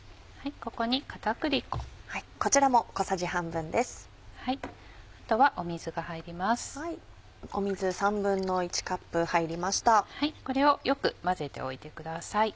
これをよく混ぜておいてください。